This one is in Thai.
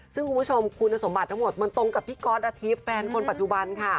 ซึ่งคุณผู้ชมคุณสมบัติทั้งหมดมันตรงกับพี่ก๊อตอาทิตย์แฟนคนปัจจุบันค่ะ